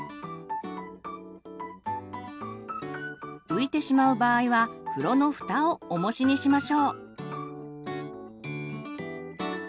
浮いてしまう場合は風呂のふたをおもしにしましょう。